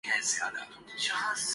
اور شاہد کے مداح تشویش کا شکار ہوگئے۔